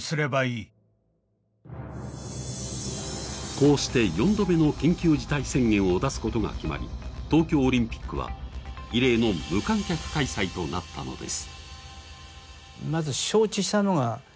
こうして４度目の緊急事態宣言を出すことが決まり、東京オリンピックは異例の無観客開催となったのです。